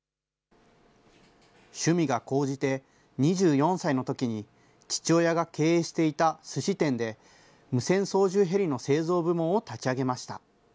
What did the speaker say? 趣味が高じて、２４歳のときに、父親が経営していたすし店で、無線操縦ヘリの製造部門を立ち上げました。